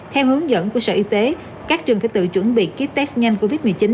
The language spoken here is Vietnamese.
theo hướng dẫn của sở y tế các trường phải tự chuẩn bị ký test nhanh covid một mươi chín